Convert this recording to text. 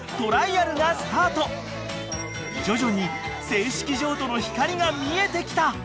［徐々に正式譲渡の光が見えてきた］